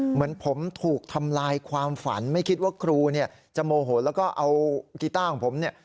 เหมือนผมถูกทำลายความฝันไม่คิดว่าครูเนี่ยจะโมโหแล้วก็เอากีต้าของผมเนี่ย